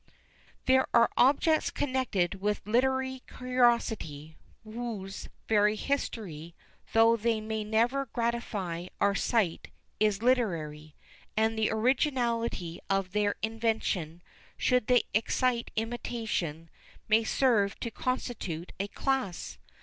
There are objects connected with literary curiosity, whose very history, though they may never gratify our sight, is literary; and the originality of their invention, should they excite imitation, may serve to constitute a class.